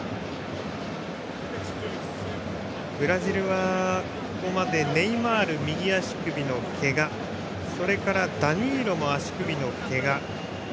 ブラジルはここまでネイマールが右足首のけがそれからダニーロも足首のけが。